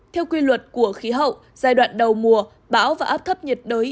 theo quy luật của khí hậu giai đoạn đầu mùa bão và áp thấp nhiệt đới